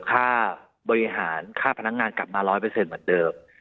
ค่าบริหารค่าพนักงานกลับมา๑๐๐เหมือนเดิม